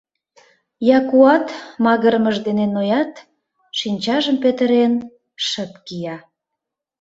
Якуат магырымыж дене ноят, шинчажым петырен, шып кия.